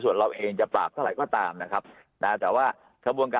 ส่วนเราเองจะปราบเท่าไหร่ก็ตามนะครับนะแต่ว่าขบวนการ